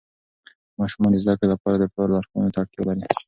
ماشومان د زده کړې لپاره د پلار لارښوونو ته اړتیا لري.